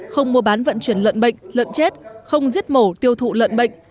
không mua bán vận chuyển lợn bệnh lợn chết không giết mổ tiêu thụ lợn bệnh